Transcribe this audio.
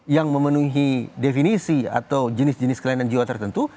yang memenuhi definisi atau jenis jenis kelainan jiwa tertentu